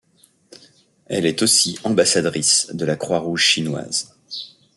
Elle est aussi ambassadrice de la Croix-Rouge chinoise.